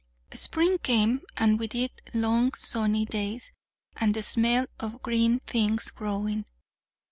Spring came, and with it long sunny days and the smell of green things growing.